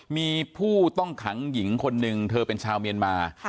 มีผู้ต้องขังหญิงคนหนึ่งเธอเป็นชาวเมียนมา